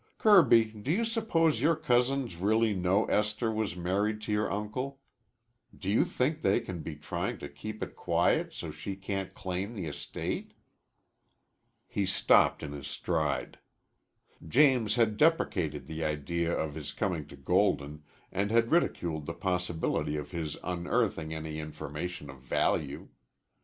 "Kirby, do you suppose your cousins really know Esther was married to your uncle? Do you think they can be trying to keep it quiet so she can't claim the estate?" He stopped in his stride. James had deprecated the idea of his coming to Golden and had ridiculed the possibility of his unearthing any information of value.